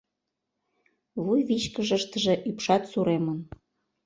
Вуйвичкыжыштыже ӱпшат суремын.